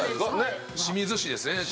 清水市ですね。